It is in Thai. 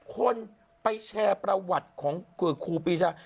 คนไปแชร์ประวัติของครูปีชา